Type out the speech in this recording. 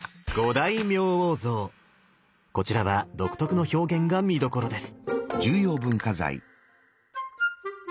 こちらは独特の表現が見どころです。